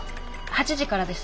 ８時からです。